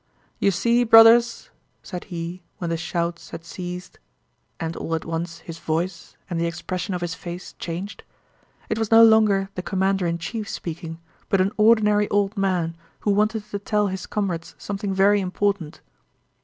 "You see, brothers..." said he when the shouts had ceased... and all at once his voice and the expression of his face changed. It was no longer the commander in chief speaking but an ordinary old man who wanted to tell his comrades something very important.